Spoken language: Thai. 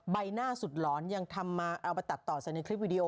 ใบหน้าสุดหลอนยังทำมาเอาไปตัดต่อใส่ในคลิปวิดีโอ